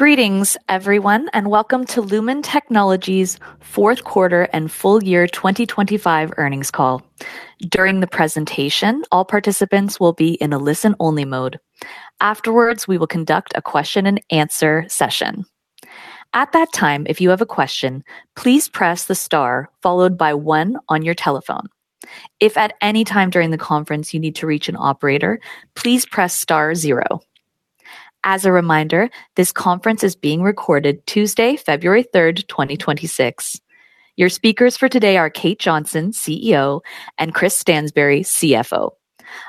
Greetings everyone, and welcome to Lumen Technologies' Fourth Quarter and Full Year 2025 Earnings Call. During the presentation, all participants will be in a listen-only mode. Afterwards, we will conduct a question and answer session. At that time, if you have a question, please press the star followed by one on your telephone. If at any time during the conference you need to reach an operator, please press star zero. As a reminder, this conference is being recorded Tuesday, February 3rd, 2026. Your speakers for today are Kate Johnson, CEO, and Chris Stansbury, CFO.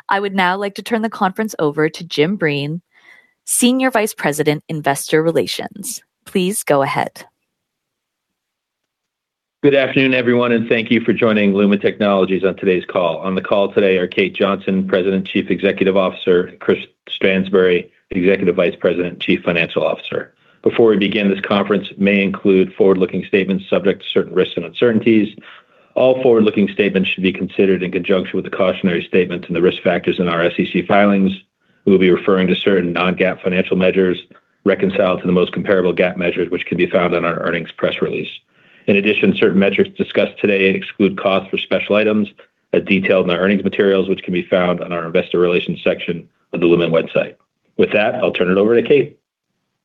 I would now like to turn the conference over to Jim Breen, Senior Vice President, Investor Relations. Please go ahead. Good afternoon, everyone, and thank you for joining Lumen Technologies on today's call. On the call today are Kate Johnson, President, Chief Executive Officer, Chris Stansbury, Executive Vice President, Chief Financial Officer. Before we begin, this conference may include forward-looking statements subject to certain risks and uncertainties. All forward-looking statements should be considered in conjunction with the cautionary statements and the risk factors in our SEC filings. We will be referring to certain non-GAAP financial measures, reconciled to the most comparable GAAP measures, which can be found on our earnings press release. In addition, certain metrics discussed today exclude costs for special items, as detailed in our earnings materials, which can be found on our investor relations section of the Lumen website. With that, I'll turn it over to Kate.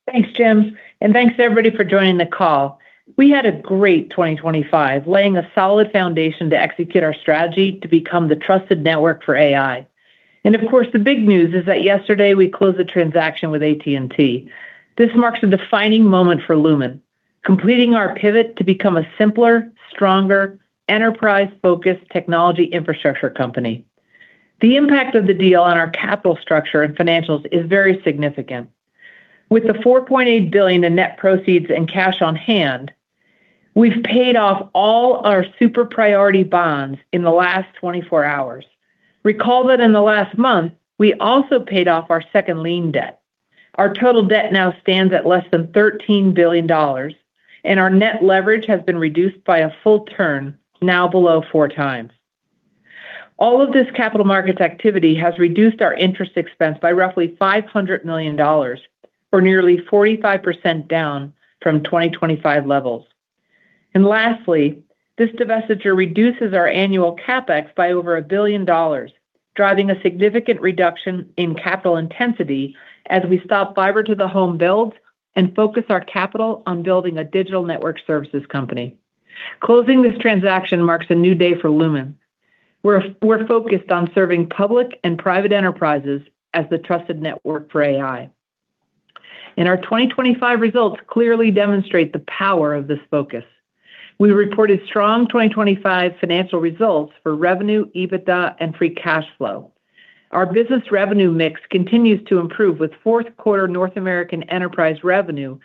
Thanks, Jim, and thanks to everybody for joining the call. We had a great 2025, laying a solid foundation to execute our strategy to become the trusted network for AI. And of course, the big news is that yesterday we closed the transaction with AT&T. This marks a defining moment for Lumen, completing our pivot to become a simpler, stronger, enterprise-focused technology infrastructure company. The impact of the deal on our capital structure and financials is very significant. With the $4.8 billion in net proceeds and cash on hand, we've paid off all our super priority bonds in the last 24 hours. Recall that in the last month, we also paid off our second lien debt. Our total debt now stands at less than $13 billion, and our net leverage has been reduced by a full turn, now below 4x. All of this capital markets activity has reduced our interest expense by roughly $500 million or nearly 45% down from 2025 levels. Lastly, this divestiture reduces our annual CapEx by over $1 billion, driving a significant reduction in capital intensity as we stop fiber to the home builds and focus our capital on building a digital network services company. Closing this transaction marks a new day for Lumen. We're, we're focused on serving public and private enterprises as the trusted network for AI. Our 2025 results clearly demonstrate the power of this focus. We reported strong 2025 financial results for revenue, EBITDA, and free cash flow. Our business revenue mix continues to improve, with fourth quarter North American enterprise revenue,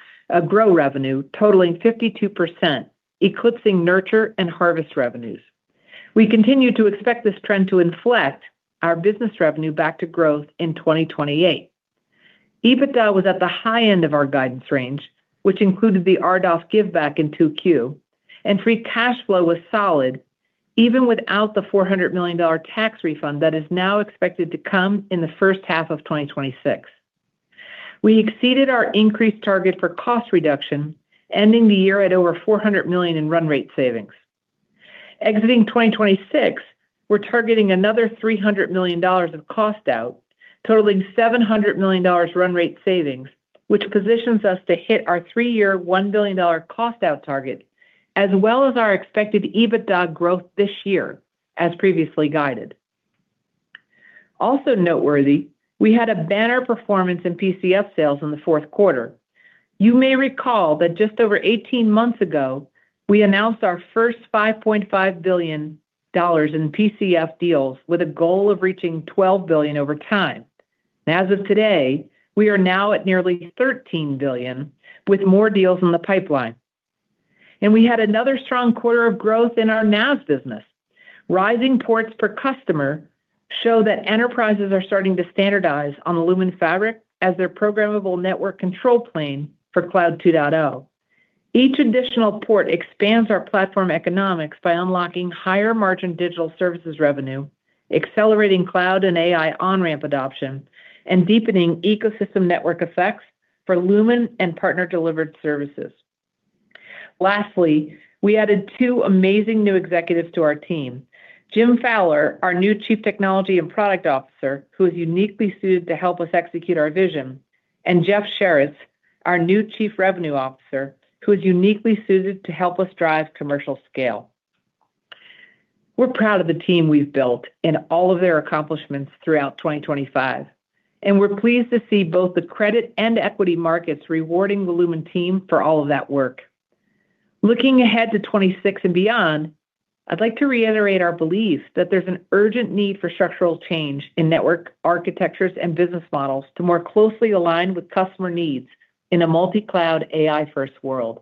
grow revenue totaling 52%, eclipsing nurture and harvest revenues. We continue to expect this trend to inflect our business revenue back to growth in 2028. EBITDA was at the high end of our guidance range, which included the RDOF give back in 2Q, and free cash flow was solid, even without the $400 million tax refund that is now expected to come in the first half of 2026. We exceeded our increased target for cost reduction, ending the year at over $400 million in run rate savings. Exiting 2026, we're targeting another $300 million of cost out, totaling $700 million run rate savings, which positions us to hit our three year, $1 billion cost out target, as well as our expected EBITDA growth this year, as previously guided. Also noteworthy, we had a banner performance in PCF sales in the fourth quarter. You may recall that just over 18 months ago, we announced our first $5.5 billion in PCF deals with a goal of reaching $12 billion over time. As of today, we are now at nearly $13 billion, with more deals in the pipeline. We had another strong quarter of growth in our NaaS business. Rising ports per customer show that enterprises are starting to standardize on the Lumen fabric as their programmable network control plane for Cloud 2.0. Each additional port expands our platform economics by unlocking higher margin digital services revenue, accelerating cloud and AI on-ramp adoption, and deepening ecosystem network effects for Lumen and partner-delivered services. Lastly, we added two amazing new executives to our team: Jim Fowler, our new Chief Technology and Product Officer, who is uniquely suited to help us execute our vision, and Jeff Sharritts, our new Chief Revenue Officer, who is uniquely suited to help us drive commercial scale. We're proud of the team we've built and all of their accomplishments throughout 2025, and we're pleased to see both the credit and equity markets rewarding the Lumen team for all of that work. Looking ahead to 2026 and beyond, I'd like to reiterate our belief that there's an urgent need for structural change in network architectures and business models to more closely align with customer needs in a multi-cloud, AI-first world.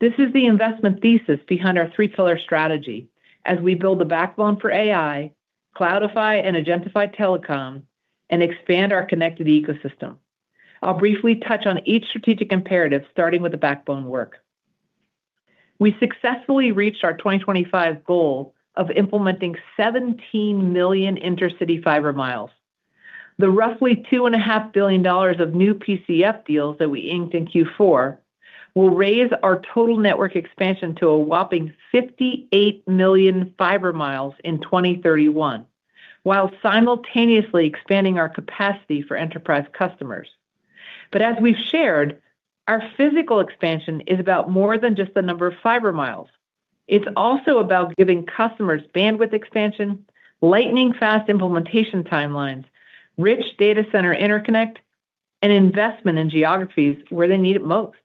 This is the investment thesis behind our three-pillar strategy as we build the backbone for AI, cloudify and agentify telecom, and expand our connected ecosystem. I'll briefly touch on each strategic imperative, starting with the backbone work. We successfully reached our 2025 goal of implementing 17 million intercity fiber miles. The roughly $2.5 billion of new PCF deals that we inked in Q4 will raise our total network expansion to a whopping 58 million fiber miles in 2031, while simultaneously expanding our capacity for enterprise customers. But as we've shared, our physical expansion is about more than just the number of fiber miles. It's also about giving customers bandwidth expansion, lightning-fast implementation timelines, rich data center interconnect, and investment in geographies where they need it most.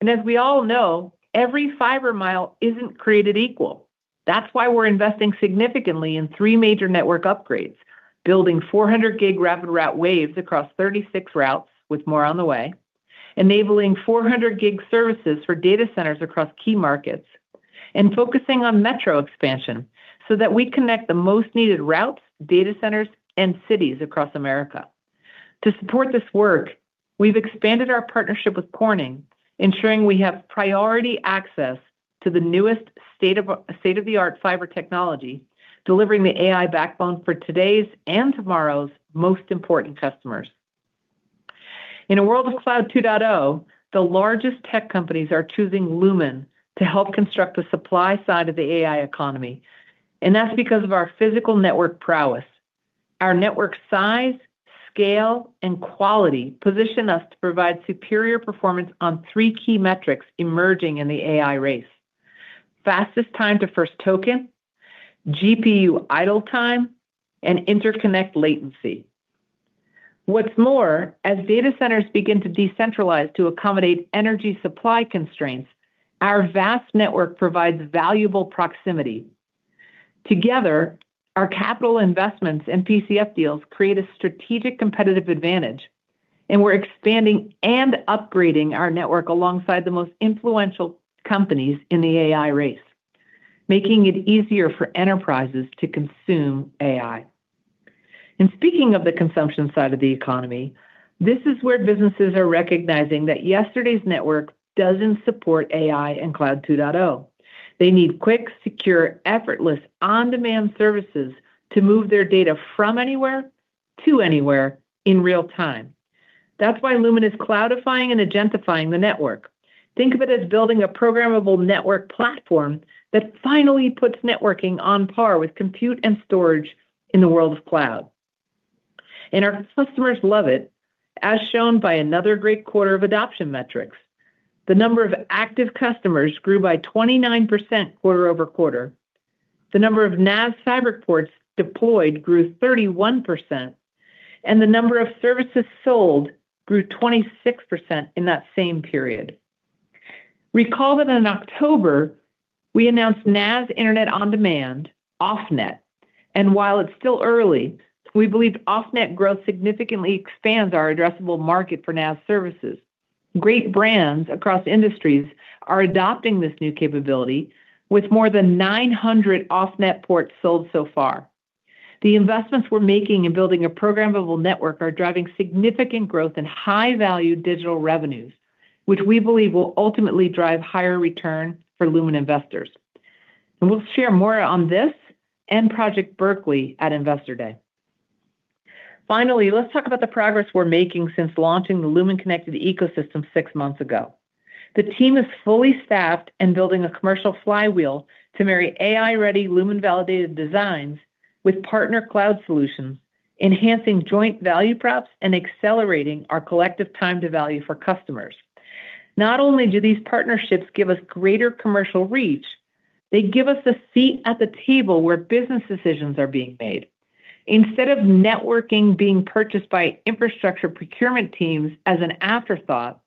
And as we all know, every fiber mile isn't created equal. That's why we're investing significantly in three major network upgrades, building 400 G RapidRoute Waves across 36 routes, with more on the way, enabling 400 G services for data centers across key markets, and focusing on metro expansion so that we connect the most needed routes, data centers, and cities across America. To support this work, we've expanded our partnership with Corning, ensuring we have priority access to the newest state-of-the-art fiber technology, delivering the AI backbone for today's and tomorrow's most important customers. In a world of Cloud 2.0, the largest tech companies are choosing Lumen to help construct the supply side of the AI economy, and that's because of our physical network prowess. Our network size, scale, and quality position us to provide superior performance on three key metrics emerging in the AI race: fastest time to first token, GPU idle time, and interconnect latency. What's more, as data centers begin to decentralize to accommodate energy supply constraints, our vast network provides valuable proximity. Together, our capital investments and PCF deals create a strategic competitive advantage, and we're expanding and upgrading our network alongside the most influential companies in the AI race, making it easier for enterprises to consume AI. And speaking of the consumption side of the economy, this is where businesses are recognizing that yesterday's network doesn't support AI and Cloud 2.0. They need quick, secure, effortless, on-demand services to move their data from anywhere to anywhere in real time. That's why Lumen is cloudifying and agentifying the network. Think of it as building a programmable network platform that finally puts networking on par with compute and storage in the world of cloud. Our customers love it, as shown by another great quarter of adoption metrics. The number of active customers grew by 29% quarter-over-quarter. The number of NaaS fiber ports deployed grew 31%, and the number of services sold grew 26% in that same period. Recall that in October, we announced NaaS Internet On-Demand, Off-Net, and while it's still early, we believe Off-Net growth significantly expands our addressable market for NaaS services. Great brands across industries are adopting this new capability with more than 900 Off-Net ports sold so far. The investments we're making in building a programmable network are driving significant growth in high-value digital revenues, which we believe will ultimately drive higher return for Lumen investors. We'll share more on this and Project Berkeley at Investor Day. Finally, let's talk about the progress we're making since launching the Lumen Connected Ecosystem six months ago. The team is fully staffed and building a commercial flywheel to marry AI-ready, Lumen-validated designs with partner cloud solutions, enhancing joint value props and accelerating our collective time to value for customers. Not only do these partnerships give us greater commercial reach, they give us a seat at the table where business decisions are being made. Instead of networking being purchased by infrastructure procurement teams as an afterthought,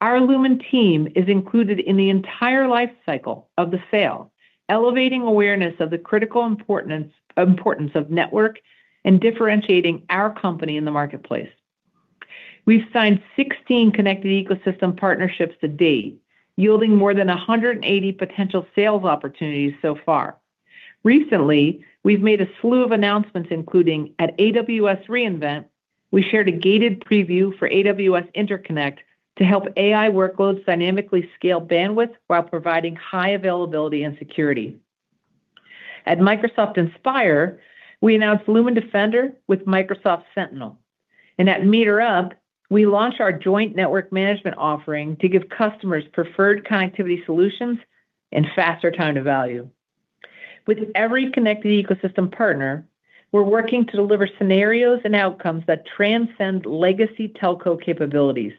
our Lumen team is included in the entire life cycle of the sale, elevating awareness of the critical importance, importance of network and differentiating our company in the marketplace. We've signed 16 Connected Ecosystem partnerships to date, yielding more than 180 potential sales opportunities so far. Recently, we've made a slew of announcements, including at AWS re:Invent, we shared a gated preview for AWS Interconnect to help AI workloads dynamically scale bandwidth while providing high availability and security. At Microsoft Inspire, we announced Lumen Defender with Microsoft Sentinel, and at Meter Up, we launched our joint network management offering to give customers preferred connectivity solutions and faster time to value. With every connected ecosystem partner, we're working to deliver scenarios and outcomes that transcend legacy telco capabilities.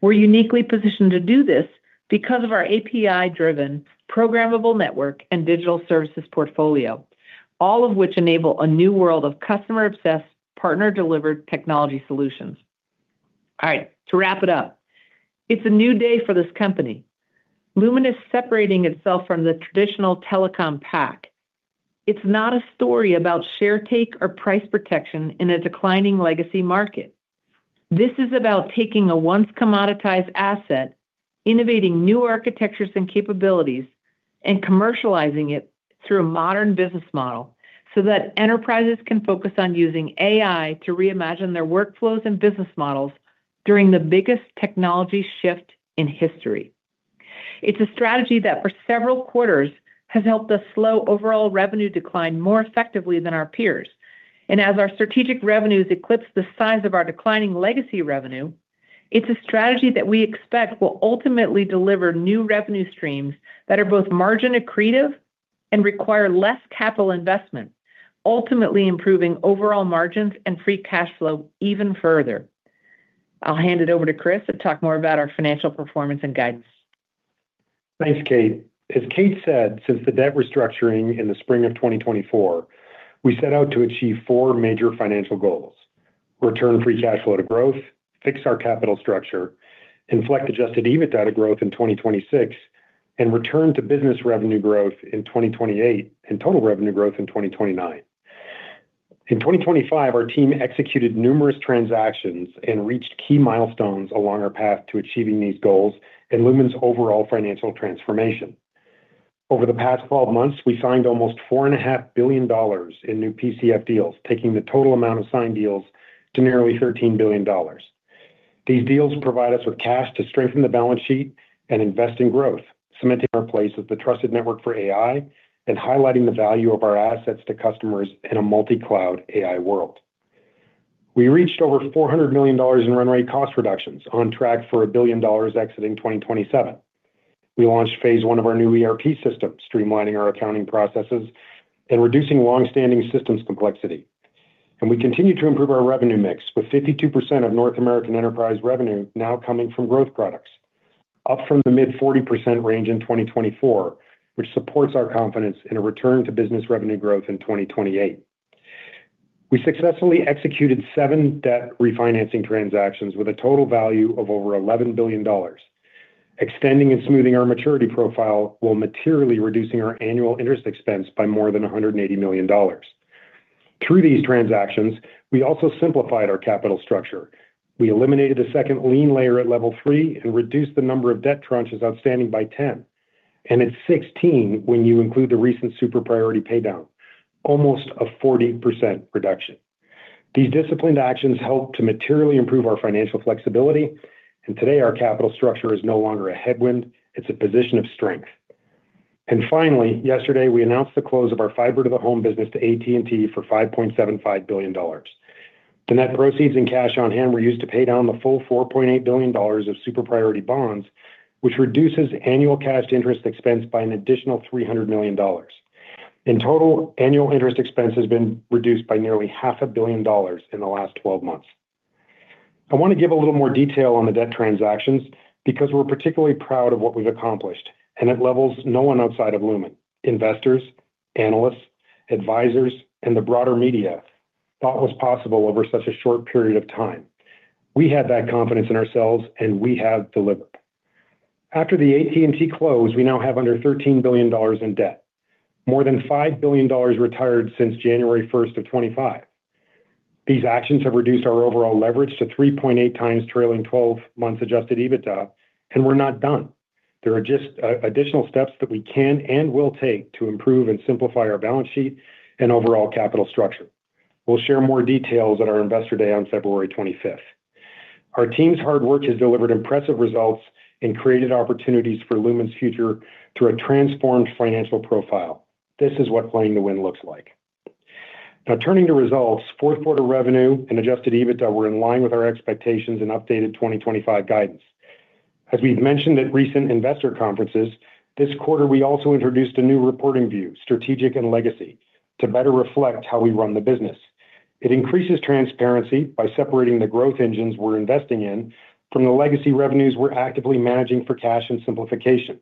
We're uniquely positioned to do this because of our API-driven, programmable network and digital services portfolio, all of which enable a new world of customer-obsessed, partner-delivered technology solutions. All right, to wrap it up, it's a new day for this company. Lumen is separating itself from the traditional telecom pack. It's not a story about share take or price protection in a declining legacy market. This is about taking a once commoditized asset, innovating new architectures and capabilities and commercializing it through a modern business model, so that enterprises can focus on using AI to reimagine their workflows and business models during the biggest technology shift in history. It's a strategy that for several quarters, has helped us slow overall revenue decline more effectively than our peers. And as our strategic revenues eclipse the size of our declining legacy revenue, it's a strategy that we expect will ultimately deliver new revenue streams that are both margin accretive and require less capital investment, ultimately improving overall margins and free cash flow even further. I'll hand it over to Chris to talk more about our financial performance and guidance. Thanks, Kate. As Kate said, since the debt restructuring in the spring of 2024, we set out to achieve four major financial goals: return free cash flow to growth, fix our capital structure, inflect adjusted EBITDA to growth in 2026, and return to business revenue growth in 2028, and total revenue growth in 2029. In 2025, our team executed numerous transactions and reached key milestones along our path to achieving these goals and Lumen's overall financial transformation. Over the past 12 months, we signed almost $4.5 billion in new PCF deals, taking the total amount of signed deals to nearly $13 billion. These deals provide us with cash to strengthen the balance sheet and invest in growth, cementing our place as the trusted network for AI and highlighting the value of our assets to customers in a multi-cloud AI world. We reached over $400 million in run rate cost reductions, on track for $1 billion exiting 2027. We launched Phase 1 of our new ERP system, streamlining our accounting processes and reducing long-standing systems complexity. And we continue to improve our revenue mix, with 52% of North American enterprise revenue now coming from growth products, up from the mid-40% range in 2024, which supports our confidence in a return to business revenue growth in 2028. We successfully executed seven debt refinancing transactions with a total value of over $11 billion, extending and smoothing our maturity profile, while materially reducing our annual interest expense by more than $180 million. Through these transactions, we also simplified our capital structure. We eliminated a second lien layer at Level 3 and reduced the number of debt tranches outstanding by 10, and it's 16 when you include the recent super priority paydown, almost a 40% reduction. These disciplined actions helped to materially improve our financial flexibility, and today our capital structure is no longer a headwind, it's a position of strength. And finally, yesterday, we announced the close of our fiber to the home business to AT&T for $5.75 billion. The net proceeds and cash on hand were used to pay down the full $4.8 billion of super priority bonds, which reduces annual cash interest expense by an additional $300 million. In total, annual interest expense has been reduced by nearly $500 million in the last 12 months. I want to give a little more detail on the debt transactions because we're particularly proud of what we've accomplished, and at levels no one outside of Lumen, investors, analysts, advisors, and the broader media thought was possible over such a short period of time. We had that confidence in ourselves, and we have delivered. After the AT&T close, we now have under $13 billion in debt, more than $5 billion retired since January 1st 2025. These actions have reduced our overall leverage to 3.8x trailing 12-month adjuted EBITDA, and we're not done. There are just additional steps that we can and will take to improve and simplify our balance sheet and overall capital structure. We'll share more details at our Investor Day on February 25th. Our team's hard work has delivered impressive results and created opportunities for Lumen's future through a transformed financial profile. This is what playing to win looks like. Now, turning to results, fourth quarter revenue and adjusted EBITDA were in line with our expectations and updated 2025 guidance. As we've mentioned at recent investor conferences, this quarter, we also introduced a new reporting view, strategic and legacy, to better reflect how we run the business. It increases transparency by separating the growth engines we're investing in from the legacy revenues we're actively managing for cash and simplification.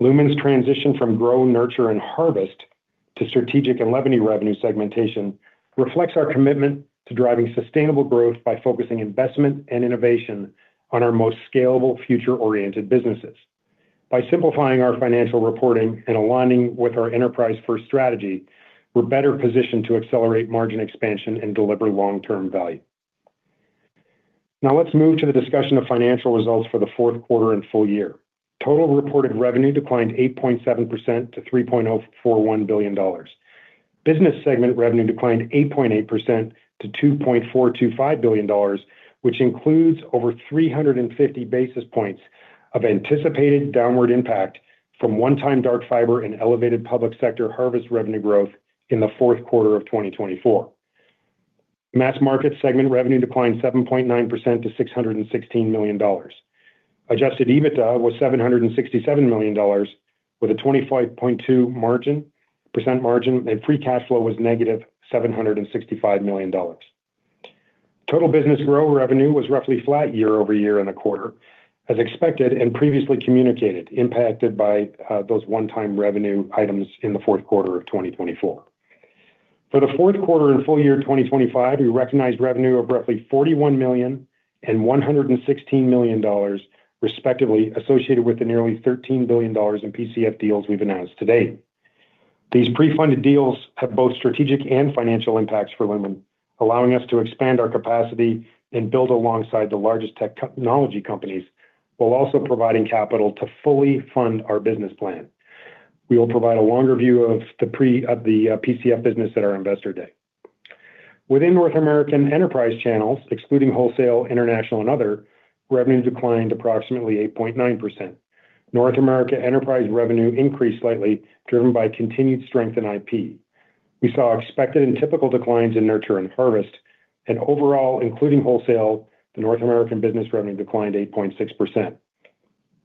Lumen's transition from grow, nurture, and harvest to strategic and revenue segmentation reflects our commitment to driving sustainable growth by focusing investment and innovation on our most scalable, future-oriented businesses. By simplifying our financial reporting and aligning with our enterprise-first strategy, we're better positioned to accelerate margin expansion and deliver long-term value. Now, let's move to the discussion of financial results for the fourth quarter and full year. Total reported revenue declined 8.7% to $3.041 billion. Business segment revenue declined 8.8% to $2.425 billion, which includes over 350 basis points of anticipated downward impact from one-time dark fiber and elevated public sector harvest revenue growth in the fourth quarter of 2024. Mass market segment revenue declined 7.9% to $616 million. Adjusted EBITDA was $767 million, with a 25.2% margin, and free cash flow was -$765 million. Total business grow revenue was roughly flat year-over-year in the quarter, as expected and previously communicated, impacted by those one-time revenue items in the fourth quarter of 2024. For the fourth quarter and full year 2025, we recognized revenue of roughly $41 million and $116 million, respectively, associated with the nearly $13 billion in PCF deals we've announced to date. These pre-funded deals have both strategic and financial impacts for Lumen, allowing us to expand our capacity and build alongside the largest tech technology companies, while also providing capital to fully fund our business plan. We will provide a longer view of the PCF business at our Investor Day. Within North American enterprise channels, excluding wholesale, international, and other, revenue declined approximately 8.9%. North America enterprise revenue increased slightly, driven by continued strength in IP. We saw expected and typical declines in nurture and harvest, and overall, including wholesale, the North American business revenue declined 8.6%.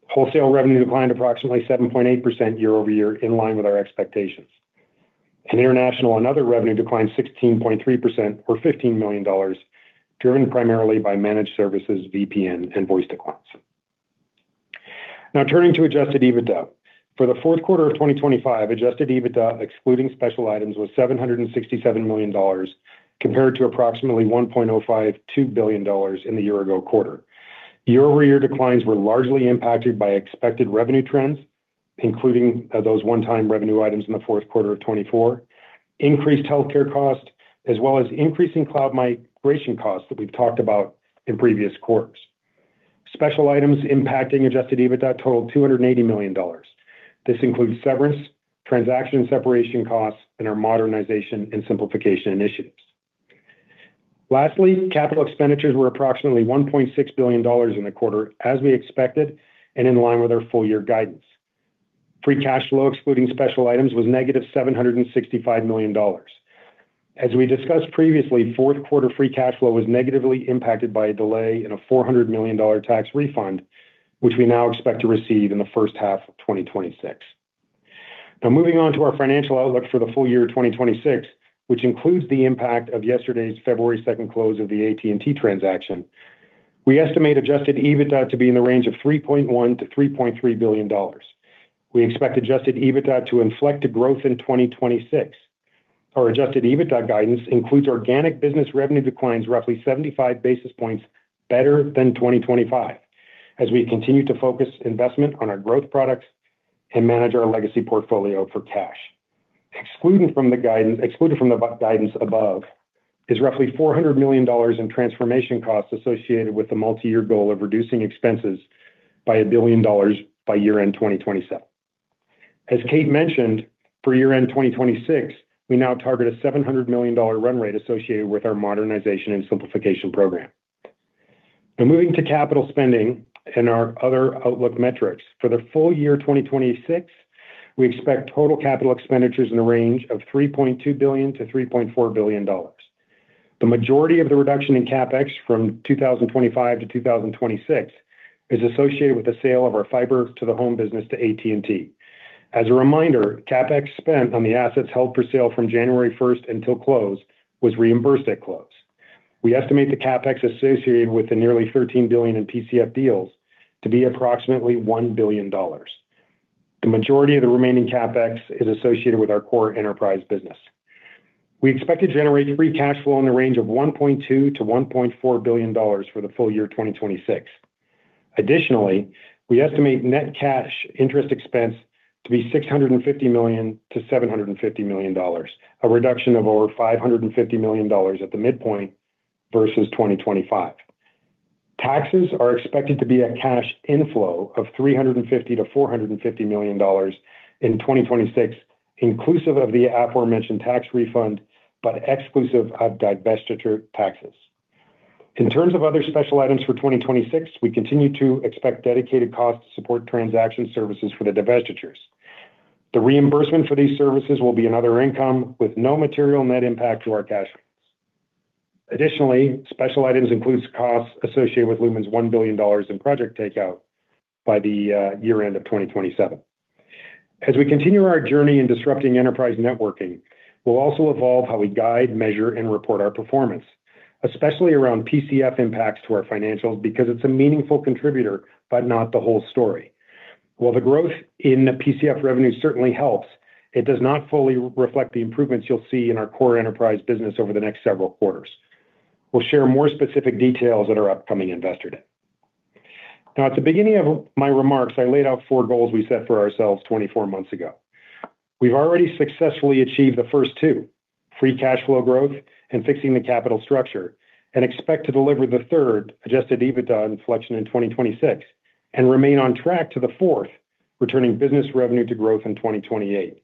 Wholesale revenue declined approximately 7.8% year-over-year, in line with our expectations. International and other revenue declined 16.3% or $15 million, driven primarily by Managed Services, VPN, and Voice declines. Now, turning to adjusted EBITDA. For the fourth quarter of 2025, adjusted EBITDA, excluding special items, was $767 million, compared to approximately $1.052 billion in the year ago quarter. Year-over-year declines were largely impacted by expected revenue trends, including those one-time revenue items in the fourth quarter of 2024, increased healthcare costs, as well as increasing cloud migration costs that we've talked about in previous quarters. Special items impacting adjusted EBITDA totaled $280 million. This includes severance, transaction separation costs, and our modernization and simplification initiatives. Lastly, capital expenditures were approximately $1.6 billion in the quarter, as we expected, and in line with our full year guidance. Free cash flow, excluding special items, was negative $765 million. As we discussed previously, fourth quarter free cash flow was negatively impacted by a delay in a $400 million tax refund, which we now expect to receive in the first half of 2026. Now, moving on to our financial outlook for the full year of 2026, which includes the impact of yesterday's February 2nd close of the AT&T transaction. We estimate adjusted EBITDA to be in the range of $3.1 billion-$3.3 billion. We expect adjusted EBITDA to inflect to growth in 2026. Our adjusted EBITDA guidance includes organic business revenue declines, roughly 75 basis points better than 2025, as we continue to focus investment on our growth products and manage our legacy portfolio for cash. Excluded from the guidance above is roughly $400 million in transformation costs associated with the multi-year goal of reducing expenses by $1 billion by year-end 2027. As Kate mentioned, for year-end 2026, we now target a $700 million run rate associated with our modernization and simplification program. Now, moving to capital spending and our other outlook metrics. For the full year 2026, we expect total capital expenditures in the range of $3.2 billion-$3.4 billion. The majority of the reduction in CapEx from 2025 to 2026 is associated with the sale of our fiber to the home business to AT&T. As a reminder, CapEx spent on the assets held for sale from January 1st until close was reimbursed at close. We estimate the CapEx associated with the nearly $13 billion in PCF deals to be approximately $1 billion. The majority of the remaining CapEx is associated with our core enterprise business. We expect to generate free cash flow in the range of $1.2 billion-$1.4 billion for the full year 2026. Additionally, we estimate net cash interest expense to be $650 million-$750 million, a reduction of over $550 million at the midpoint versus 2025. Taxes are expected to be a cash inflow of $350 million-$450 million in 2026, inclusive of the aforementioned tax refund, but exclusive of divestiture taxes. In terms of other special items for 2026, we continue to expect dedicated costs to support transaction services for the divestitures. The reimbursement for these services will be another income with no material net impact to our cash flows. Additionally, special items includes costs associated with Lumen's $1 billion in project takeout by the year-end of 2027. As we continue our journey in disrupting enterprise networking, we'll also evolve how we guide, measure, and report our performance, especially around PCF impacts to our financials, because it's a meaningful contributor, but not the whole story. While the growth in the PCF revenue certainly helps, it does not fully reflect the improvements you'll see in our core enterprise business over the next several quarters. We'll share more specific details at our upcoming Investor Day. Now, at the beginning of my remarks, I laid out four goals we set for ourselves 24 months ago. We've already successfully achieved the first two, free cash flow growth and fixing the capital structure, and expect to deliver the third, adjusted EBITDA inflection in 2026, and remain on track to the fourth, returning business revenue to growth in 2028.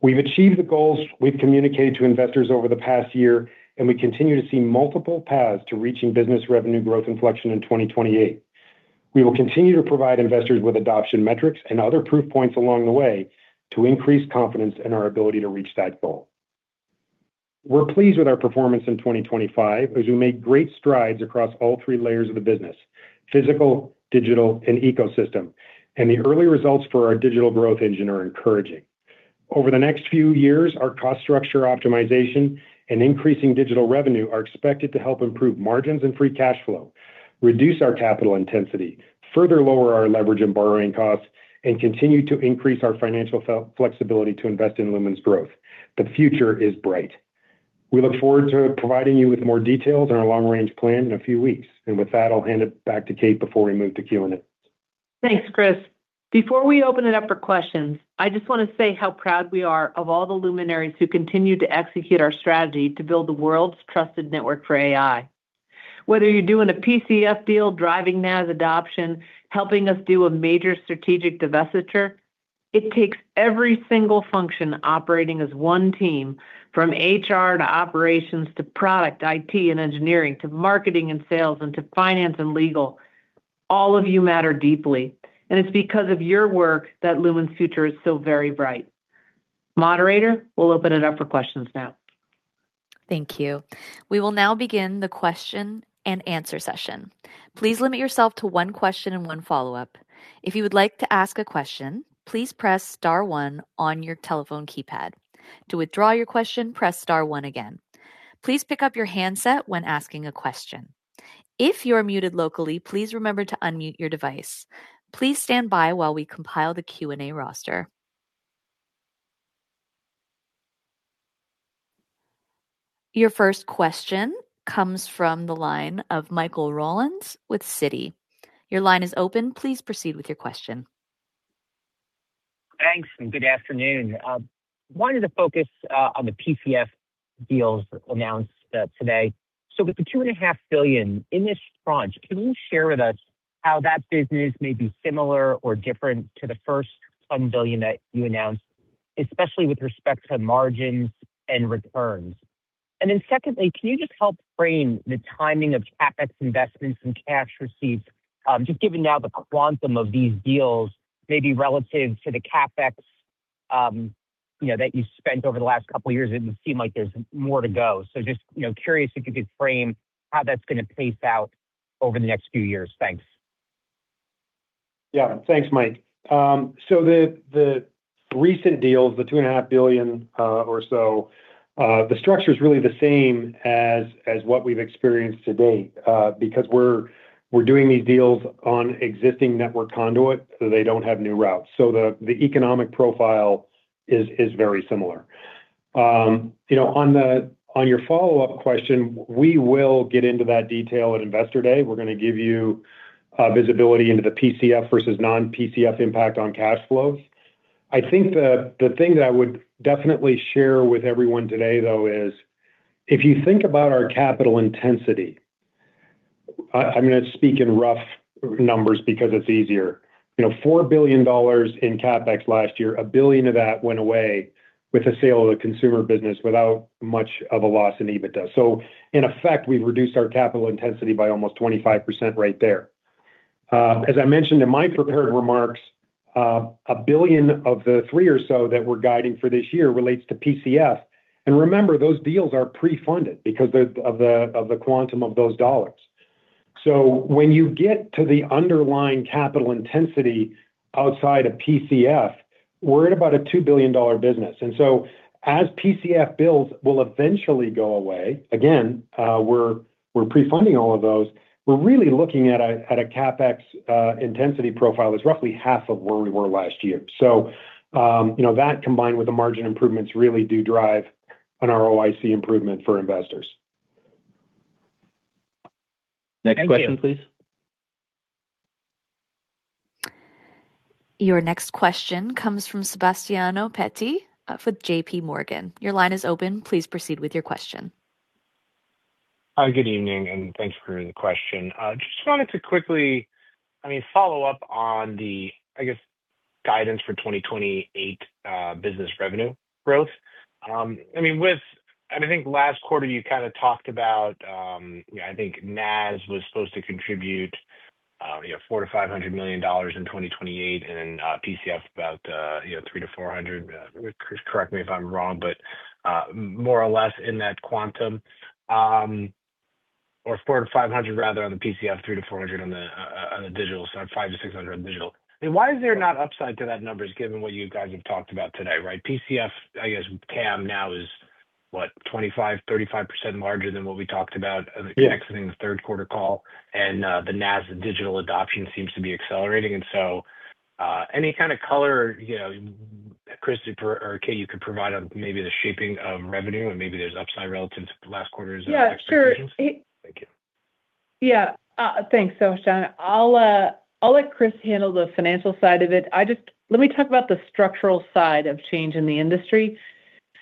We've achieved the goals we've communicated to investors over the past year, and we continue to see multiple paths to reaching business revenue growth inflection in 2028. We will continue to provide investors with adoption metrics and other proof points along the way to increase confidence in our ability to reach that goal. We're pleased with our performance in 2025 as we make great strides across all three layers of the business: physical, digital, and ecosystem, and the early results for our digital growth engine are encouraging. Over the next few years, our cost structure optimization and increasing digital revenue are expected to help improve margins and free cash flow, reduce our capital intensity, further lower our leverage and borrowing costs, and continue to increase our financial flexibility to invest in Lumen's growth. The future is bright. We look forward to providing you with more details on our long-range plan in a few weeks. With that, I'll hand it back to Kate before we move to Q&A. Thanks, Chris. Before we open it up for questions, I just want to say how proud we are of all the Lumenaries who continue to execute our strategy to build the world's trusted network for AI. Whether you're doing a PCF deal, driving NaaS adoption, helping us do a major strategic divestiture, it takes every single function operating as one team, from HR to operations to product, IT, and engineering, to marketing and sales, and to finance and legal. All of you matter deeply, and it's because of your work that Lumen's future is so very bright. Moderator, we'll open it up for questions now. Thank you. We will now begin the question-and-answer session. Please limit yourself to one question and one follow-up. If you would like to ask a question, please press star one on your telephone keypad. To withdraw your question, press star one again. Please pick up your handset when asking a question. If you are muted locally, please remember to unmute your device. Please stand by while we compile the Q&A roster. Your first question comes from the line of Michael Rollins with Citi. Your line is open. Please proceed with your question. Thanks, and good afternoon. Wanted to focus on the PCF deals announced today. So with the $2.5 billion in this tranche, can you share with us how that business may be similar or different to the first $1 billion that you announced, especially with respect to margins and returns? And then secondly, can you just help frame the timing of CapEx investments and cash receipts, just given now the quantum of these deals, maybe relative to the CapEx you know that you spent over the last couple of years? It would seem like there's more to go. So just, you know, curious if you could frame how that's going to pace out over the next few years. Thanks. Yeah. Thanks, Mike. So the recent deals, the $2.5 billion or so, the structure is really the same as what we've experienced to date, because we're doing these deals on existing network conduit, so they don't have new routes. So the economic profile is very similar. You know, on your follow-up question, we will get into that detail at Investor Day. We're going to give you visibility into the PCF versus non-PCF impact on cash flows. I think the thing that I would definitely share with everyone today, though, is if you think about our capital intensity, I'm going to speak in rough numbers because it's easier. You know, $4 billion in CapEx last year, $1 billion of that went away with the sale of the consumer business without much of a loss in EBITDA. So in effect, we've reduced our capital intensity by almost 25% right there. As I mentioned in my prepared remarks, $1 billion of the $3 billion or so that we're guiding for this year relates to PCF. And remember, those deals are pre-funded because of the quantum of those dollars. So when you get to the underlying capital intensity outside of PCF, we're at about a $2 billion business. And so as PCF builds will eventually go away, again, we're pre-funding all of those, we're really looking at a CapEx intensity profile is roughly half of where we were last year. You know, that combined with the margin improvements, really do drive an ROIC improvement for investors. Thank you. Next question, please. Your next question comes from Sebastiano Petti with JPMorgan. Your line is open. Please proceed with your question. Hi, good evening, and thanks for taking the question. I just wanted to quickly, I mean, follow up on the, I guess, guidance for 2028 business revenue growth. I mean, I think last quarter you kind of talked about, I think NAS was supposed to contribute, you know, $400 million-$500 million in 2028, and then, PCF about, you know, $300 million-$400 million. Chris, correct me if I'm wrong, but, more or less in that quantum, or $400 million-$500 million rather on the PCF, $300 million-$400 million on the, on the digital, so $500 million-$600 million on digital. And why is there not upside to that numbers, given what you guys have talked about today, right? PCF, I guess, TAM now is, what? 25, 35% larger than what we talked about exiting the third quarter call, and the NaaS digital adoption seems to be accelerating. And so, any kind of color, you know, Chris, or Kate, you could provide on maybe the shaping of revenue, or maybe there's upside relative to last quarter's expectations? Yeah, sure. Thank you. Yeah. Thanks, Sebastiano. I'll let Chris handle the financial side of it. I just. Let me talk about the structural side of change in the industry.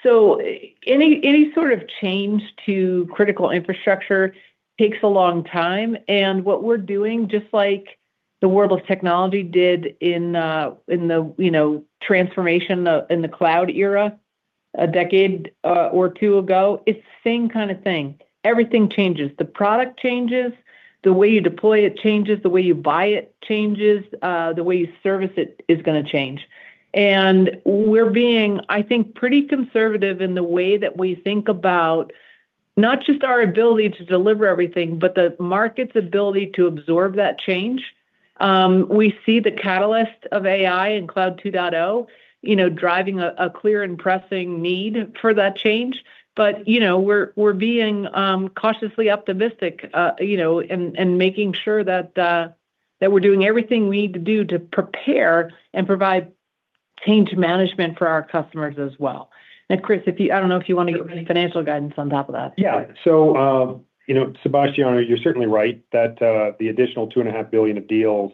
So any sort of change to critical infrastructure takes a long time, and what we're doing, just like the world of technology did in the transformation in the cloud era, a decade or two ago, it's the same kind of thing. Everything changes. The product changes, the way you deploy it changes, the way you buy it changes, the way you service it is going to change. And we're being, I think, pretty conservative in the way that we think about not just our ability to deliver everything, but the market's ability to absorb that change. We see the catalyst of AI and Cloud 2.0, you know, driving a clear and pressing need for that change. But, you know, we're being cautiously optimistic, you know, and making sure that we're doing everything we need to do to prepare and provide change management for our customers as well. And Chris, if you, I don't know if you want to go over the financial guidance on top of that. Yeah. So, you know, Sebastiano, you're certainly right that the additional $2.5 billion of deals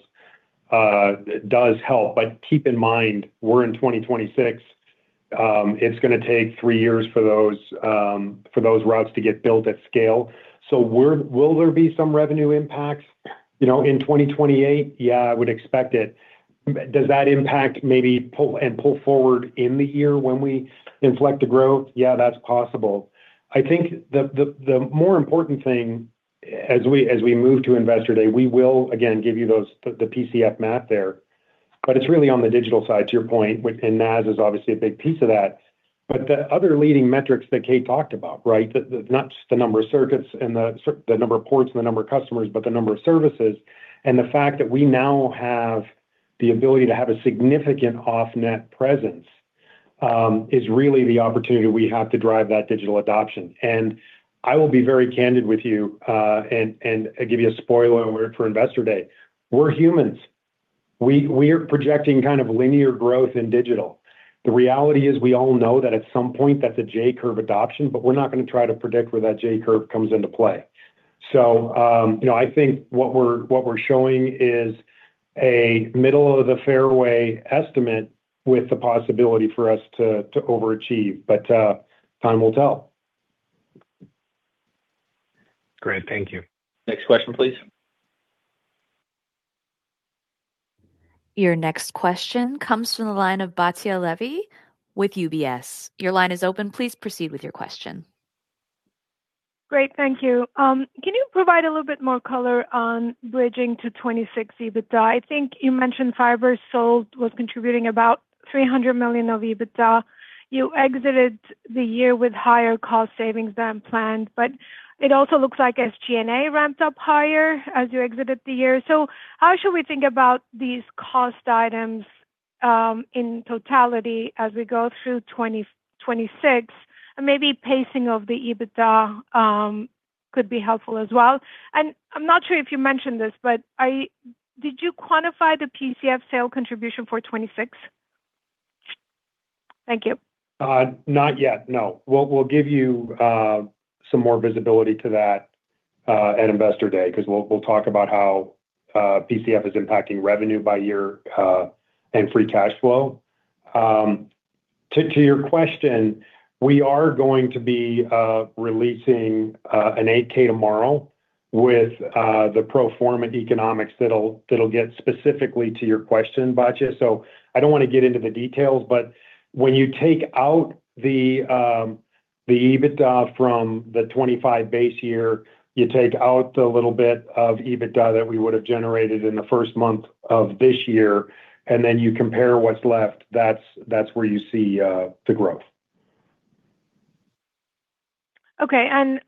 does help. But keep in mind, we're in 2026, it's going to take three years for those routes to get built at scale. So will there be some revenue impacts, you know, in 2028? Yeah, I would expect it. Does that impact maybe pull forward in the year when we inflect the growth? Yeah, that's possible. I think the more important thing as we move to Investor Day, we will again give you those, the PCF map there. But it's really on the digital side, to your point, with and NaaS is obviously a big piece of that. But the other leading metrics that Kate talked about, right? Not just the number of circuits and the number of ports and the number of customers, but the number of services. And the fact that we now have the ability to have a significant Off-Net presence is really the opportunity we have to drive that digital adoption. And I will be very candid with you and give you a spoiler alert for Investor Day. We're humans. We are projecting kind of linear growth in digital. The reality is, we all know that at some point, that's a J-curve adoption, but we're not going to try to predict where that J-curve comes into play. So, you know, I think what we're showing is a middle-of-the-fairway estimate with the possibility for us to overachieve, but time will tell. Great. Thank you. Next question, please. Your next question comes from the line of Batya Levi with UBS. Your line is open. Please proceed with your question. Great, thank you. Can you provide a little bit more color on bridging to 2026 EBITDA? I think you mentioned fiber sold was contributing about $300 million of EBITDA. You exited the year with higher cost savings than planned, but it also looks like SG&A ramped up higher as you exited the year. So how should we think about these cost items in totality as we go through 2026? And maybe pacing of the EBITDA could be helpful as well. And I'm not sure if you mentioned this, but did you quantify the PCF sale contribution for 2026? Thank you. Not yet. No. We'll give you some more visibility to that at Investor Day, 'cause we'll talk about how PCF is impacting revenue by year and free cash flow. To your question, we are going to be releasing an 8-K tomorrow with the pro forma economics that'll get specifically to your question, Batya. So I don't want to get into the details, but when you take out the EBITDA from the 2025 base year, you take out the little bit of EBITDA that we would have generated in the first month of this year, and then you compare what's left, that's where you see the growth. Okay. And,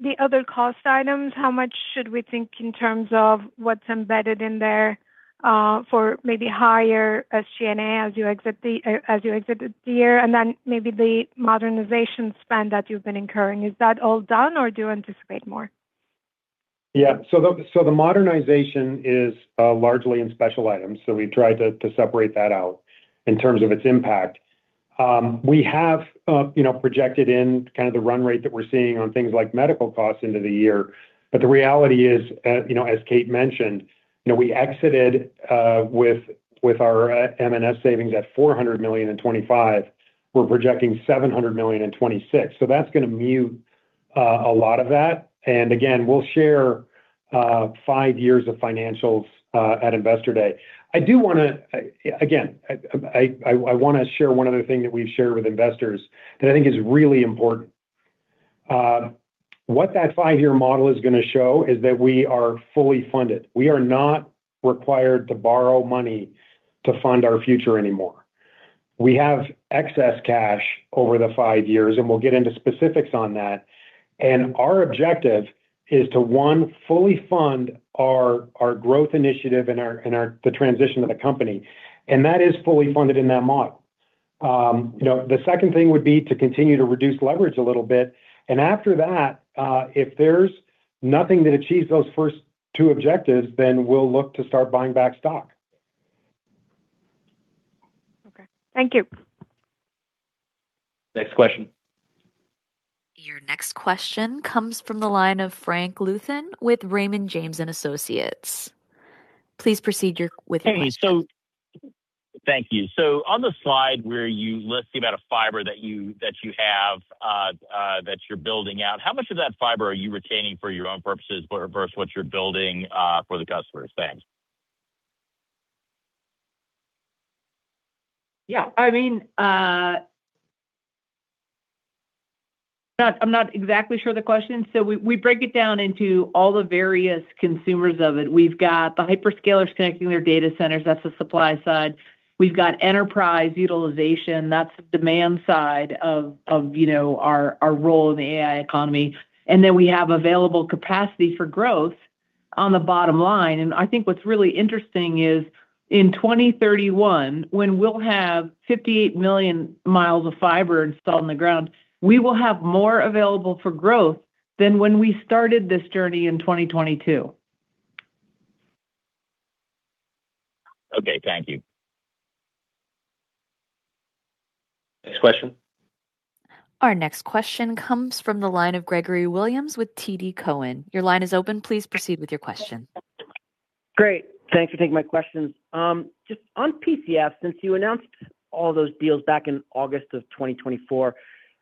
the other cost items, how much should we think in terms of what's embedded in there, for maybe higher SG&A as you exited the year, and then maybe the modernization spend that you've been incurring? Is that all done, or do you anticipate more? Yeah. So the modernization is largely in special items, so we try to separate that out in terms of its impact. We have, you know, projected in kind of the run rate that we're seeing on things like medical costs into the year. But the reality is, you know, as Kate mentioned, you know, we exited with our M&S savings at $400 million in 2025. We're projecting $700 million in 2026. So that's going to mute a lot of that. And again, we'll share five years of financials at Investor Day. I do want to. Again, I want to share one other thing that we've shared with investors that I think is really important. What that five-year model is going to show is that we are fully funded. We are not required to borrow money to fund our future anymore. We have excess cash over the five years, and we'll get into specifics on that. Our objective is to, one, fully fund our growth initiative and our transition of the company, and that is fully funded in that model. You know, the second thing would be to continue to reduce leverage a little bit, and after that, if there's nothing that achieves those first two objectives, then we'll look to start buying back stock. Okay. Thank you. Next question. Your next question comes from the line of Frank Louthan with Raymond James & Associates. Please proceed with your question. Hey, so thank you. So on the slide where you list the amount of fiber that you have that you're building out, how much of that fiber are you retaining for your own purposes versus what you're building for the customers? Thanks. Yeah, I mean, I'm not exactly sure of the question. So we break it down into all the various consumers of it. We've got the hyperscalers connecting their data centers, that's the supply side. We've got enterprise utilization, that's the demand side of, you know, our role in the AI economy. And then we have available capacity for growth on the bottom line. I think what's really interesting is, in 2031, when we'll have 58 million miles of fiber installed in the ground, we will have more available for growth than when we started this journey in 2022. Okay, thank you. Next question. Our next question comes from the line of Gregory Williams with TD Cowen. Your line is open. Please proceed with your question. Great. Thanks for taking my questions. Just on PCF, since you announced all those deals back in August of 2024,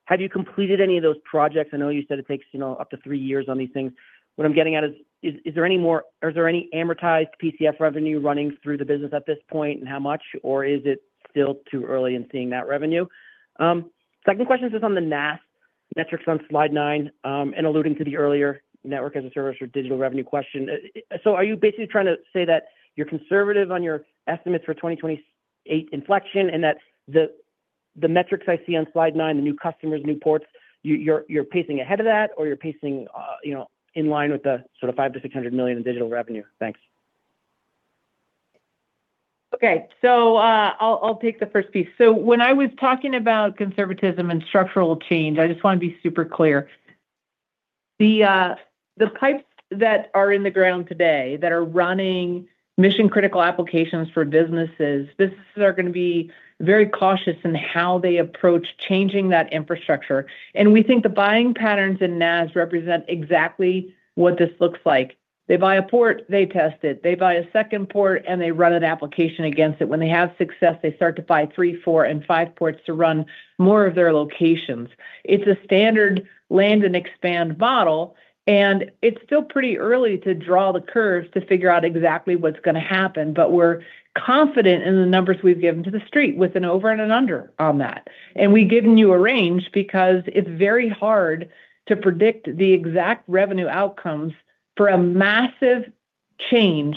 have you completed any of those projects? I know you said it takes, you know, up to three years on these things. What I'm getting at is, is there any amortized PCF revenue running through the business at this point, and how much, or is it still too early in seeing that revenue? Second question is on the NaaS metrics on slide nine, and alluding to the earlier network as a service or digital revenue question. So, are you basically trying to say that you're conservative on your estimates for 2028 inflection, and that the metrics I see on slide nine, the new customers, new ports, you're pacing ahead of that or you're pacing, you know, in line with the sort of $500 million-$600 million in digital revenue? Thanks. Okay, so, I'll take the first piece. So when I was talking about conservatism and structural change, I just want to be super clear. The pipes that are in the ground today that are running mission-critical applications for businesses, businesses are going to be very cautious in how they approach changing that infrastructure, and we think the buying patterns in NaaS represent exactly what this looks like. They buy a port, they test it, they buy a second port, and they run an application against it. When they have success, they start to buy three, four, and five ports to run more of their locations. It's a standard land and expand model, and it's still pretty early to draw the curves to figure out exactly what's going to happen. But we're confident in the numbers we've given to the street, with an over and an under on that. And we've given you a range because it's very hard to predict the exact revenue outcomes for a massive change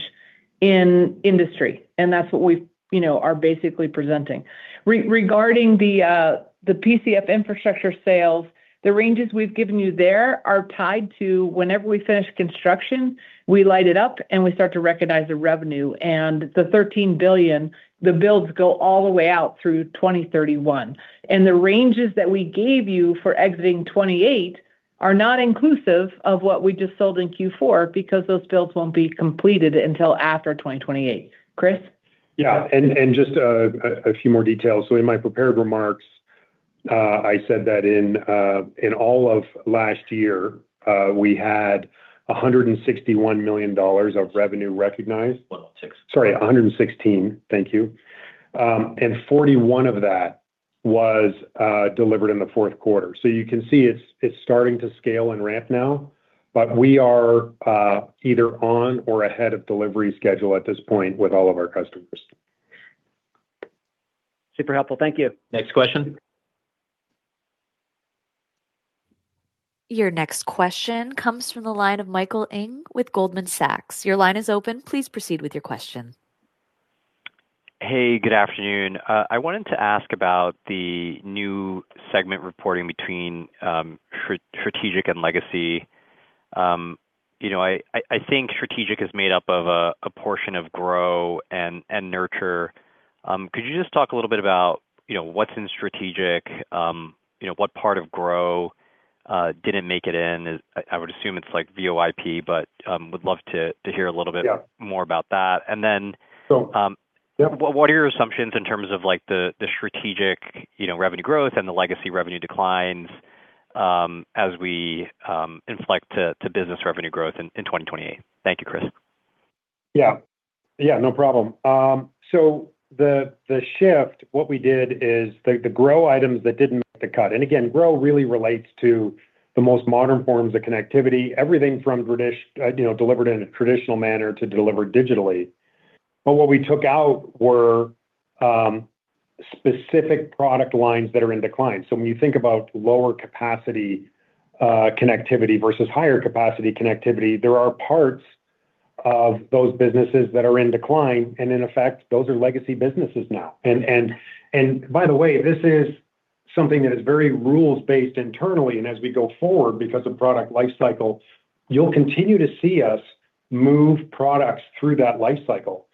in industry, and that's what we, you know, are basically presenting. Regarding the PCF infrastructure sales, the ranges we've given you there are tied to whenever we finish construction, we light it up, and we start to recognize the revenue. And the $13 billion, the builds go all the way out through 2031. And the ranges that we gave you for exiting 2028 are not inclusive of what we just sold in Q4, because those builds won't be completed until after 2028. Chris? Yeah, and just a few more details. In my prepared remarks, I said that in all of last year, we had $161 million of revenue recognized. 116. Sorry, $116 million. Thank you. And $41 million of that was delivered in the fourth quarter. So you can see it's, it's starting to scale and ramp now, but we are either on or ahead of delivery schedule at this point with all of our customers. Super helpful. Thank you. Next question. Your next question comes from the line of Michael Ng with Goldman Sachs. Your line is open. Please proceed with your question. Hey, good afternoon. I wanted to ask about the new segment reporting between strategic and legacy. You know, I think strategic is made up of a portion of grow and nurture. Could you just talk a little bit about, you know, what's in strategic? You know, what part of grow didn't make it in? I would assume it's like VoIP, but would love to hear a little bit more about that. Yeah. And then, what are your assumptions in terms of, like, the, the strategic, you know, revenue growth and the legacy revenue declines, as we inflect to business revenue growth in 2028? Thank you, Chris. Yeah. Yeah, no problem. So the shift, what we did is the grow items that didn't make the cut. And again, grow really relates to the most modern forms of connectivity, everything from traditional, you know, delivered in a traditional manner to delivered digitally. But what we took out were specific product lines that are in decline. So when you think about lower capacity connectivity versus higher capacity connectivity, there are parts of those businesses that are in decline, and in effect, those are legacy businesses now. And by the way, this is something that is very rules-based internally, and as we go forward, because of product life cycle, you'll continue to see us move products through that life cycle.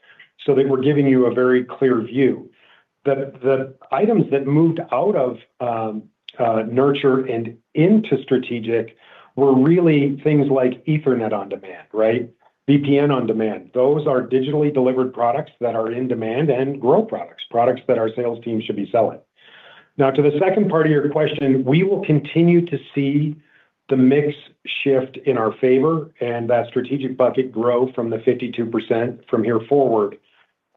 So that we're giving you a very clear view. The items that moved out of nurture and into strategic were really things like Ethernet on Demand, right? VPN on Demand. Those are digitally delivered products that are in demand and grow products, products that our sales team should be selling. Now, to the second part of your question, we will continue to see the mix shift in our favor and that strategic bucket grow from the 52% from here forward.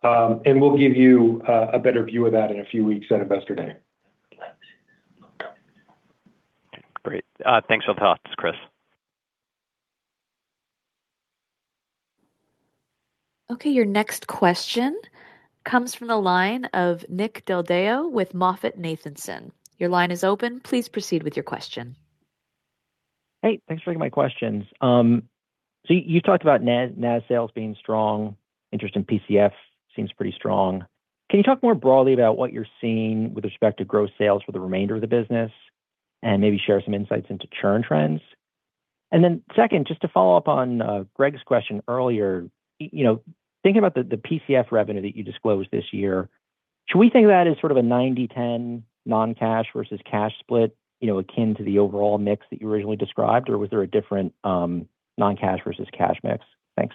We'll give you a better view of that in a few weeks at Investor Day. Great. Thanks for the thoughts, Chris. Okay, your next question comes from the line of Nick Del Deo with MoffettNathanson. Your line is open. Please proceed with your question. Hey, thanks for taking my questions. So you talked about NaaS sales being strong. Interest in PCF seems pretty strong. Can you talk more broadly about what you're seeing with respect to growth sales for the remainder of the business, and maybe share some insights into churn trends? And then second, just to follow up on Greg's question earlier, you know, thinking about the PCF revenue that you disclosed this year. Should we think of that as sort of a 90/10 non-cash versus cash split, you know, akin to the overall mix that you originally described, or was there a different non-cash versus cash mix? Thanks.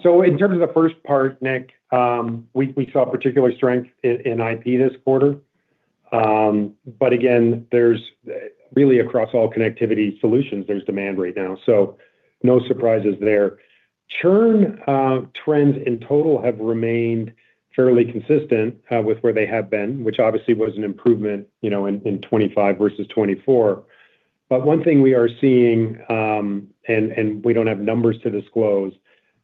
So in terms of the first part, Nick, we saw particular strength in IP this quarter. But again, there's really across all connectivity solutions, there's demand right now, so no surprises there. Churn trends in total have remained fairly consistent with where they have been, which obviously was an improvement, you know, in 2025 versus 2024. But one thing we are seeing, and we don't have numbers to disclose,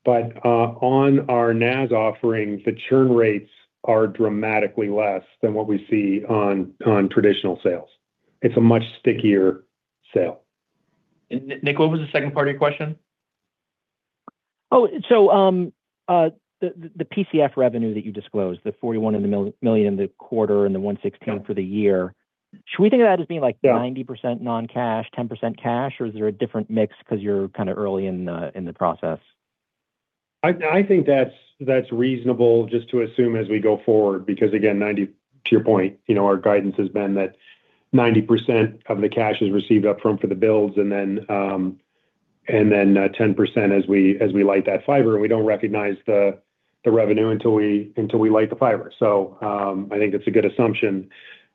but on our NaaS offering, the churn rates are dramatically less than what we see on traditional sales. It's a much stickier sale. Nick, what was the second part of your question? Oh, so, the PCF revenue that you disclosed, the $41 million in the quarter and the $116 million for the year, should we think of that as being, like 90% non-cash, 10% cash, or is there a different mix 'cause you're kind of early in the process? I think that's reasonable just to assume as we go forward, because again, 90% to your point, you know, our guidance has been that 90% of the cash is received upfront for the builds and then, and then, 10% as we, as we light that fiber, and we don't recognize the revenue until we light the fiber. So, I think that's a good assumption.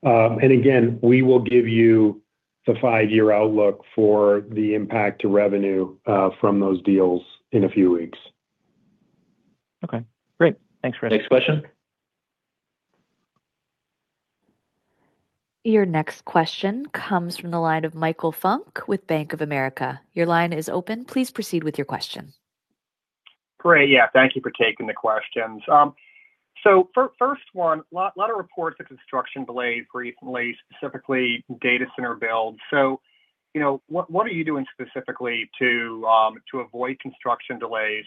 And again, we will give you the five-year outlook for the impact to revenue, from those deals in a few weeks. Okay, great. Thanks, Chris. Next question. Your next question comes from the line of Michael Funk with Bank of America. Your line is open. Please proceed with your question. Great. Yeah, thank you for taking the questions. So first one, a lot of reports of construction delays recently, specifically data center builds. So you know, what are you doing specifically to avoid construction delays?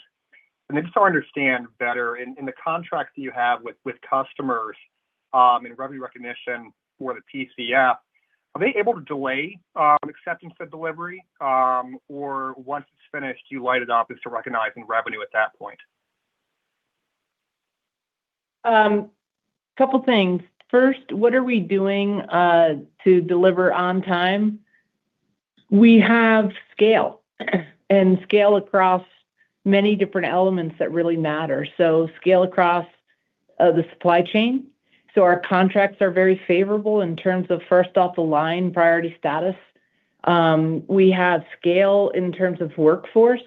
And then just to understand better, in the contracts you have with customers, in revenue recognition for the PCF, are they able to delay acceptance of delivery, or once it's finished, you light it up, and so recognizing revenue at that point? Couple things. First, what are we doing to deliver on time? We have scale, and scale across many different elements that really matter. So scale across the supply chain, so our contracts are very favorable in terms of first-off-the-line priority status. We have scale in terms of workforce.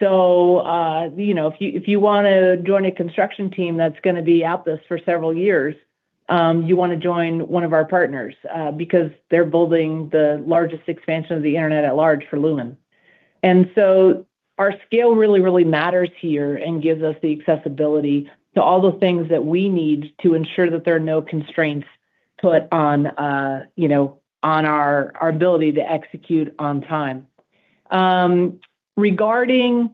So, you know, if you, if you want to join a construction team that's going to be at this for several years, you want to join one of our partners, because they're building the largest expansion of the internet at large for Lumen. And so our scale really, really matters here and gives us the accessibility to all the things that we need to ensure that there are no constraints put on, you know, on our, our ability to execute on time. Regarding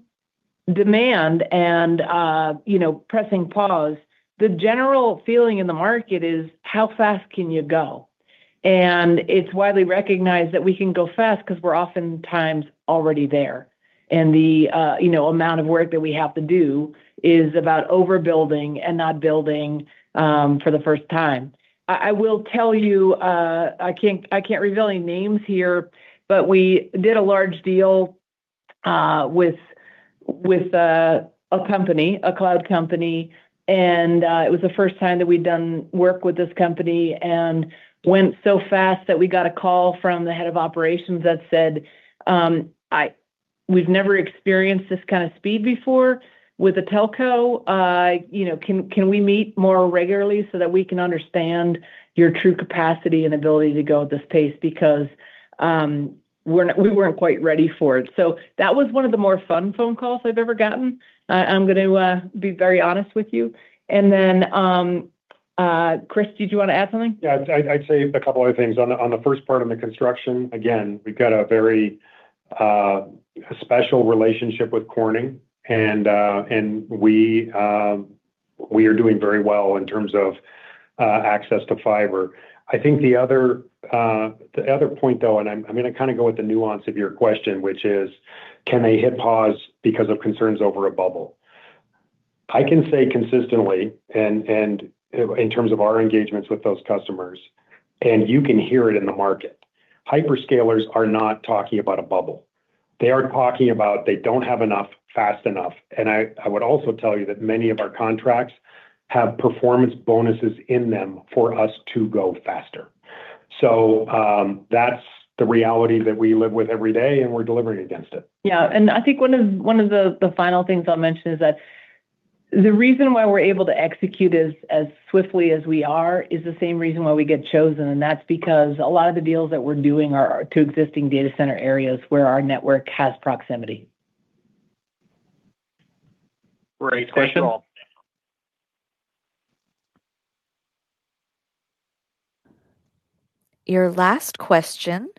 demand and, you know, pressing pause, the general feeling in the market is, how fast can you go? And it's widely recognized that we can go fast 'cause we're oftentimes already there. And the amount of work that we have to do is about overbuilding and not building for the first time. I will tell you, I can't reveal any names here, but we did a large deal with a company, a cloud company, and it was the first time that we'd done work with this company, and went so fast that we got a call from the head of operations that said, "We've never experienced this kind of speed before with a telco. You know, can we meet more regularly so that we can understand your true capacity and ability to go at this pace? Because we're not-- we weren't quite ready for it." So that was one of the more fun phone calls I've ever gotten. I'm going to be very honest with you. And then, Chris, did you want to add something? Yeah, I'd say a couple other things. On the first part of the construction, again, we've got a very special relationship with Corning, and we are doing very well in terms of access to fiber. I think the other point, though, and I'm going to kind of go with the nuance of your question, which is: Can they hit pause because of concerns over a bubble? I can say consistently, and in terms of our engagements with those customers, and you can hear it in the market, hyperscalers are not talking about a bubble. They are talking about they don't have enough, fast enough. And I would also tell you that many of our contracts have performance bonuses in them for us to go faster. That's the reality that we live with every day, and we're delivering against it. Yeah, and I think one of the final things I'll mention is that the reason why we're able to execute as swiftly as we are is the same reason why we get chosen, and that's because a lot of the deals that we're doing are to existing data center areas where our network has proximity. Great. Thank you all. Your last question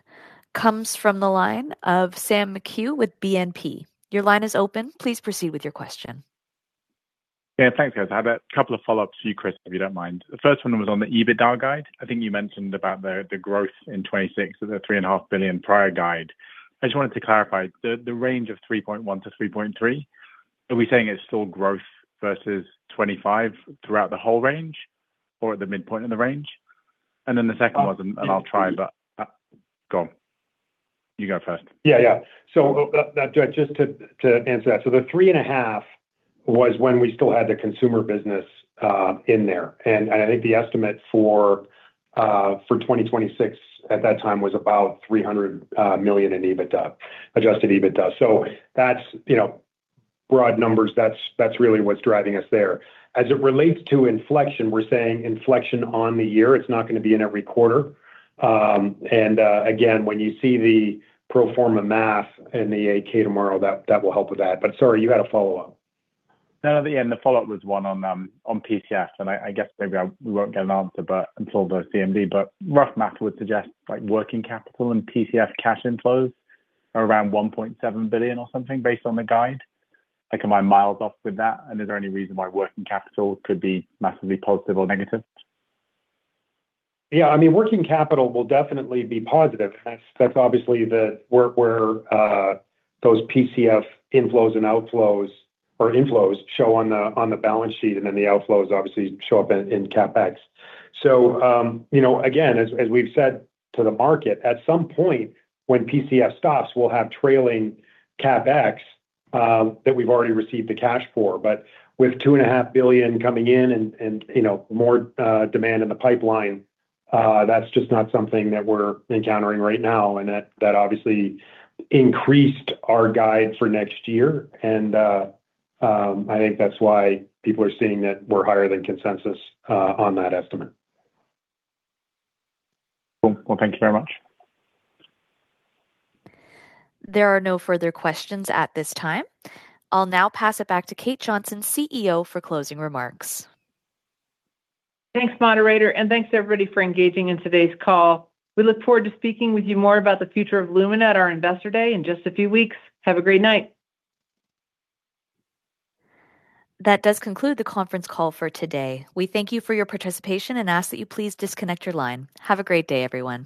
comes from the line of Sam McHugh with BNP. Your line is open. Please proceed with your question. Yeah, thanks, guys. I have a couple of follow-ups for you, Chris, if you don't mind. The first one was on the EBITDA guide. I think you mentioned about the growth in 2026, the $3.5 billion prior guide. I just wanted to clarify, the range of $3.1 billion-$3.3 billion, are we saying it's still growth versus 2025 throughout the whole range or at the midpoint of the range? And then the second one, and I'll try, but. Go on. You go first. Yeah, yeah. So, just to answer that, so the $3.5 billion was when we still had the consumer business in there. And I think the estimate for 2026 at that time was about $300 million in adjusted EBITDA. So that's, you know, broad numbers, that's really what's driving us there. As it relates to inflection, we're saying inflection on the year, it's not gonna be in every quarter. And again, when you see the pro forma math in the 8-K tomorrow, that will help with that. But sorry, you had a follow-up. No, at the end, the follow-up was one on, on PCF, and I guess maybe we won't get an answer, but until the CMD. But rough math would suggest, like, working capital and PCF cash inflows are around $1.7 billion or something, based on the guide. Like, am I miles off with that? And is there any reason why working capital could be massively positive or negative? Yeah, I mean, working capital will definitely be positive. That's obviously where those PCF inflows and outflows show on the balance sheet, and then the outflows obviously show up in CapEx. So, you know, again, as we've said to the market, at some point, when PCF stops, we'll have trailing CapEx that we've already received the cash for. But with $2.5 billion coming in and, you know, more demand in the pipeline, that's just not something that we're encountering right now, and that obviously increased our guide for next year. And, I think that's why people are seeing that we're higher than consensus on that estimate. Cool. Well, thank you very much. There are no further questions at this time. I'll now pass it back to Kate Johnson, CEO, for closing remarks. Thanks, moderator, and thanks, everybody, for engaging in today's call. We look forward to speaking with you more about the future of Lumen at our Investor Day in just a few weeks. Have a great night. That does conclude the conference call for today. We thank you for your participation and ask that you please disconnect your line. Have a great day, everyone.